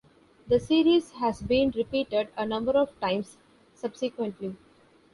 The series has been repeated a number of times subsequently.